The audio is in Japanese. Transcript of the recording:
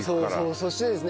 そしてですね